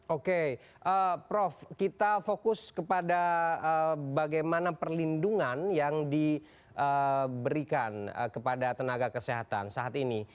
oke prof kita fokus kepada bagaimana perlindungan yang diberikan kepada tenaga kesehatan saat ini